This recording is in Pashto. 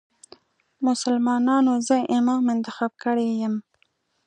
مسلمانانو زه امام انتخاب کړی یم.